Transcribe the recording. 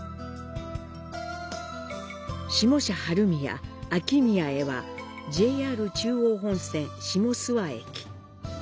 下社春宮、秋宮へは、ＪＲ中央本線下諏訪駅。